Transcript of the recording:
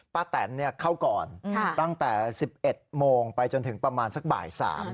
ป้าแตนเนี่ยเข้าก่อนค่ะตั้งแต่สิบเอ็ดโมงไปจนถึงประมาณสักบ่ายสาม